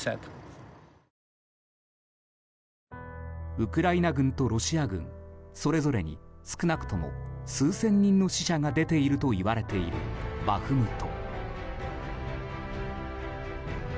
ウクライナ軍とロシア軍それぞれに少なくとも数千人の死者が出ているといわれているバフムト。